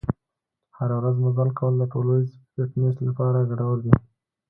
هره ورځ مزل کول د ټولیز فټنس لپاره ګټور دي.